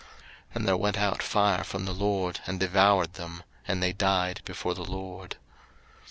03:010:002 And there went out fire from the LORD, and devoured them, and they died before the LORD.